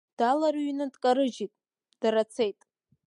Далырҩрны дкарыжьит, дара цеит.